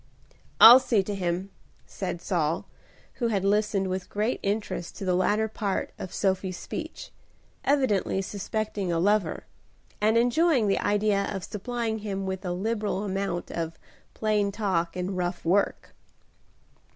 "I'll see to him," said Saul, who had listened with great interest to the latter part of Sophie's speech, evidently suspecting a lover, and enjoying the idea of supplying him with a liberal amount of "plain talk and rough work."